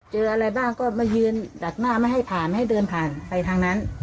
เจออะไรบ้างก็มายืนดักหน้าไม่ให้ผ่านให้เดินผ่านไปทางนั้น